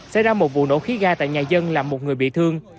xảy ra một vụ nổ khí ga tại nhà dân làm một người bị thương